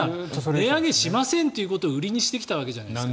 値上げしませんということを売りにしていたわけじゃないですか。